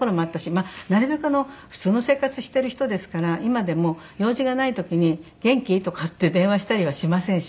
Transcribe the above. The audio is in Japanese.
なるべく普通の生活してる人ですから今でも用事がない時に「元気？」とかって電話したりはしませんし。